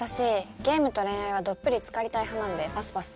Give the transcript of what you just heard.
ゲームと恋愛はどっぷりつかりたい派なんでパスパス。